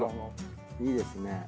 いいですね。